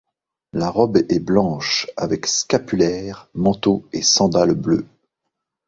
La robe est blanche, avec scapulaire, manteau et sandales bleues.